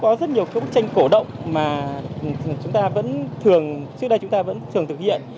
có rất nhiều bức tranh cổ động mà chúng ta vẫn thường trước đây chúng ta vẫn thường thực hiện